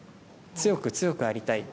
強く強くありたい。